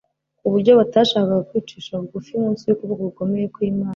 ku buryo batashakaga kwicisha bugufi munsi yukuboko gukomeye kwImana